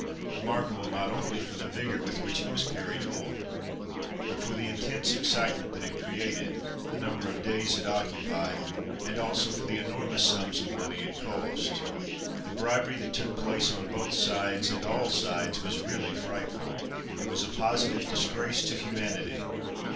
Remarkable not only for the vigour with which it was carried on, but for the intense excitement that it created, the number of days it occupied, and also for the enormous sums of money it cost. The bribery that took place on both sides and all sides was really frightful. It was a positive disgrace to humanity.